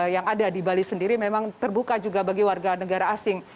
yang ada di bali sendiri memang terbuka juga bagi warga negara asing